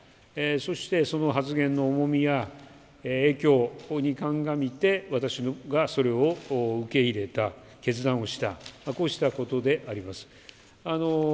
そして、その発言の重みや影響に鑑みて、私がそれを受け入れた、決断をした、こうしたことであります。